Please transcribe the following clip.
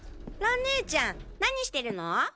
蘭ねえちゃん何してるの？